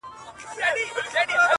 د پاچ پګـــړۍ په درهـمونو کيـــږي